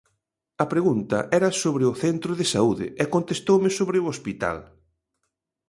A pregunta era sobre o centro de saúde e contestoume sobre o hospital.